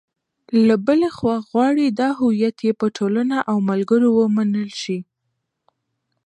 له بلې خوا غواړي دا هویت یې په ټولنه او ملګرو ومنل شي.